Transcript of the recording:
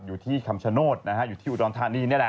อยู่ที่คำชโนธนะฮะอยู่ที่อุดรธานีนี่แหละ